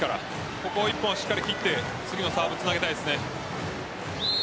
ここを１本しっかり切って次のサーブにつなげたいです。